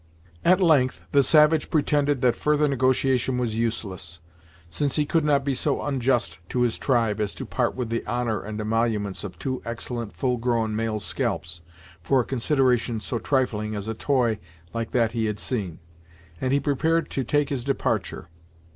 At length the savage pretended that further negotiation was useless, since he could not be so unjust to his tribe as to part with the honor and emoluments of two excellent, full grown male scalps for a consideration so trifling as a toy like that he had seen, and he prepared to take his departure.